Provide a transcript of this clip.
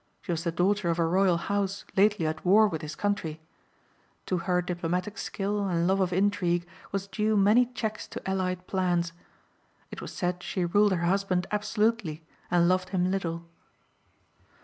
She was the daughter of a royal house lately at war with his country. To her diplomatic skill and love of intrigue was due many checks to allied plans. It was said she ruled her husband absolutely and loved him little.